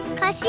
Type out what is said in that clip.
ini para baik